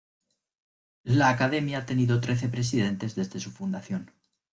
La Academia ha tenido trece presidentes desde su fundación.